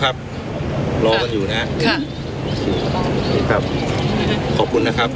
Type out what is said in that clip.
อ๋อครับรอกันอยู่นะฮะค่ะครับขอบคุณนะครับขอบคุณ